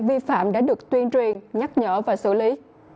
vi phạm đã được tuyên truyền nhắc nhở và xử lý